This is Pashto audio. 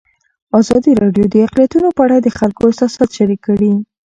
ازادي راډیو د اقلیتونه په اړه د خلکو احساسات شریک کړي.